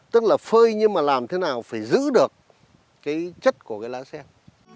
tức là phơi nhưng mà làm thế nào phải giữ được cái chất của cái lá sen